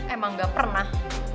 emang gak pernah